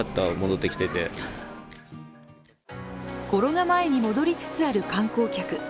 コロナ前に戻りつつある観光客。